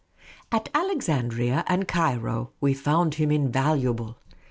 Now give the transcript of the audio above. At Alexandria and Cairo we found him invaluable.